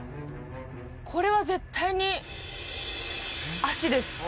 これは絶対に足です